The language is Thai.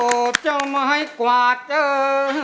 เพื่อจะไปชิงรางวัลเงินล้าน